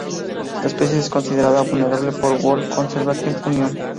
La especie es considerada vulnerable por World Conservation Union.